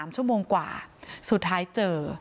๓ชั่วโมงกว่าสุดท้ายเจอ